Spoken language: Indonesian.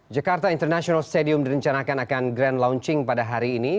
jakarta international stadium direncanakan akan grand launching pada hari ini